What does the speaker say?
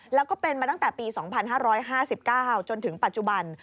แล้วก็เป็นมาตั้งแต่ปี๒๕๕๙จนถึงปัจจุบัน